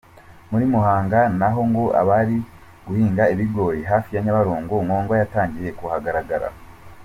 Muri Muhanga naho ngo abari guhinga ibigori hafi ya Nyabarongo nkongwa yatangiye kuhagaragara.